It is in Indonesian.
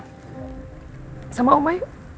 masa yang terakhir